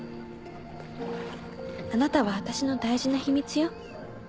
あなたはあたしの大事な秘密よ。